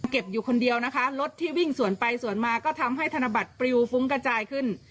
อยู่คนเดียวนะคะรถที่วิ่งสวนไปสวนมาก็ทำให้ธนบัตรปริวฟุ้งกระจายขึ้น